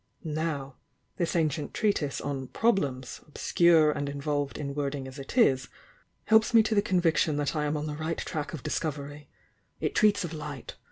Now this ancient treatise on 'Problems,' obscure and involved in wording as it is, helps me to the conviction that I am on the right track of discovery. It treats of Light.